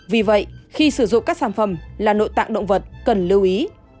vì vậy khi sử dụng các sản phẩm là nội tạng động vật cần lưu ý